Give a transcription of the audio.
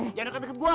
jangan deket deket gua